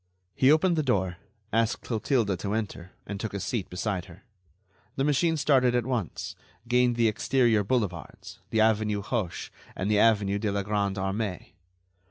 He opened the door, asked Clotilde to enter, and took a seat beside her. The machine started at once, gained the exterior boulevards, the avenue Hoche and the avenue de la Grande Armée.